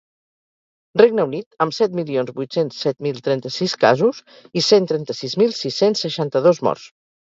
Regne Unit, amb set milions vuit-cents set mil trenta-sis casos i cent trenta-sis mil sis-cents seixanta-dos morts.